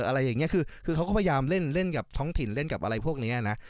อะไรอย่างนี้คือเขาก็พยายามเล่นกับท้องถิ่นเล่นกับอะไรพวกนี้นะ